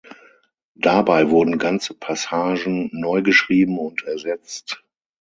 Dabei wurden ganze Passagen neu geschrieben und ersetzt.